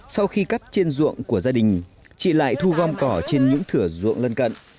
sau khi cắt trên ruộng của gia đình chị lại thu gom cỏ trên những thửa ruộng lân cận